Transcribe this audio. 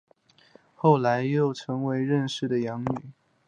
后来又成为任氏的养女。